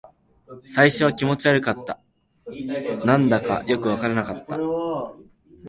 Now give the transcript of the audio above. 最初は気持ち悪かった。何だかよくわからなかった。